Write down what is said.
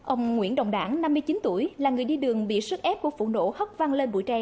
ông nguyễn đồng đảng năm mươi chín tuổi là người đi đường bị sức ép của phụ nữ hất văng lên bụi tre